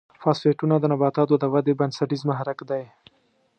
فاسفیټونه د نباتاتو د ودې بنسټیز محرک دی.